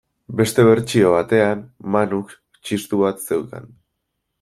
Beste bertsio batean, Manuk txistu bat zeukan.